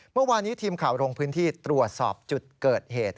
เมื่อวานี้ทีมข่าวลงพื้นที่ตรวจสอบจุดเกิดเหตุ